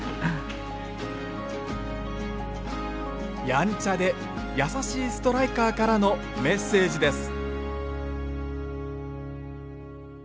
やんちゃで優しいストライカーからのメッセージです。